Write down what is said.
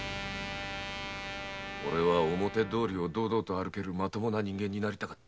オレは表通りを堂々と歩けるまともな人間になりたかった。